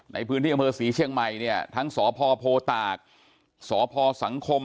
ในพื้นที่อำเภอศรีเชียงใหม่เนี่ยทั้งสพโพตากสพสังคม